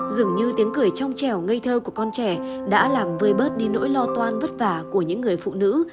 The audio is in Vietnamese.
dường như tiếng cười trong trèo ngây thơ của con trẻ đã làm vơi bớt đi nỗi lo toan vất vả của những người phụ nữ